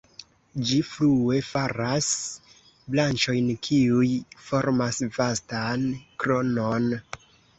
Ĝi frue faras branĉojn, kiuj formas vastan kronon.